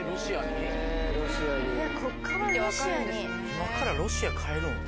今からロシア帰るん？